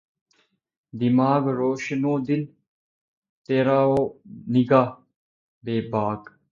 دماغ روشن و دل تیرہ و نگہ بیباک